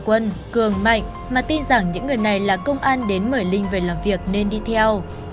quân cường mạnh mà tin rằng những người này là công an đến mời linh về làm việc nên đi theo